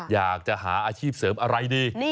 อยากจะหาอาชีพเสริมอะไรดี